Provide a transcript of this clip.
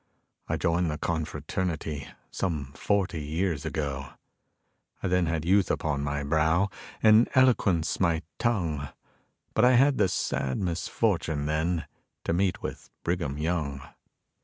I joined the confraternity some forty years ago. I then had youth upon my brow and eloquence my tongue, But I had the sad misfortune then to meet with Brigham Young.